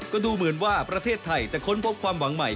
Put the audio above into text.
ก็ดูเหมือนว่าประเทศไทยจะค้นพบความหวังใหม่